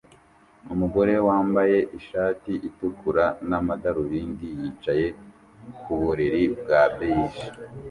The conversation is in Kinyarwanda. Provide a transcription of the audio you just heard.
Umugore wambaye ishati itukura n'amadarubindi yicaye ku buriri bwa beige